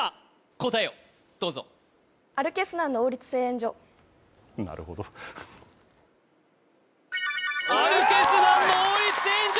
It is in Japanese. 答えをどうぞなるほどアル＝ケ＝スナンの王立製塩所！